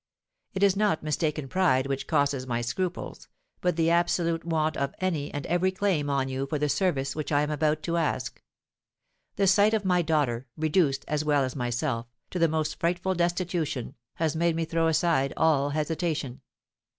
It is not mistaken pride which causes my scruples, but the absolute want of any and every claim on you for the service which I am about to ask. The sight of my daughter, reduced, as well as myself, to the most frightful destitution, has made me throw aside all hesitation.